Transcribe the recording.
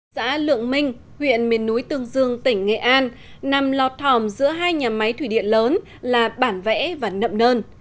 xã lượng minh huyện miền núi tương dương tỉnh nghệ an nằm lọt thòm giữa hai nhà máy thủy điện lớn là bản vẽ và nậm nơn